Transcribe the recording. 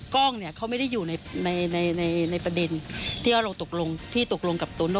กล้องเนี่ยเขาไม่ได้อยู่ในในประเด็นที่ว่าเราตกลงพี่ตกลงกับโตโน่